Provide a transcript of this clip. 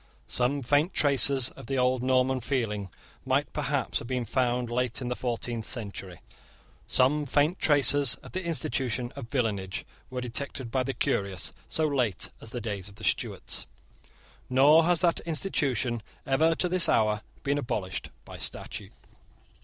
Some faint traces of the old Norman feeling might perhaps have been found late in the fourteenth century. Some faint traces of the institution of villenage were detected by the curious so late as the days of the Stuarts; nor has that institution ever, to this hour, been abolished by statute.